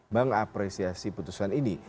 mengapresiasi putusan ini